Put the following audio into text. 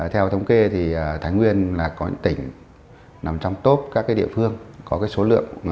theo thống kê thái nguyên là tỉnh nằm trong top các địa phương có số lượng